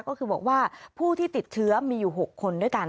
ก็คือบอกว่าผู้ที่ติดเชื้อมีอยู่๖คนด้วยกัน